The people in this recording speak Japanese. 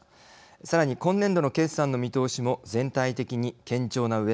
さらに、今年度の決算の見通しも全体的に堅調なうえ